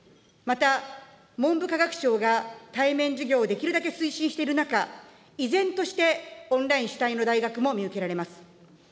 また、文部科学省が対面授業をできるだけ推進している中、依然として、オンライン主体の大学も見受けられます。